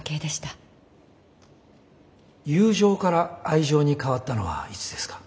友情から愛情に変わったのはいつですか？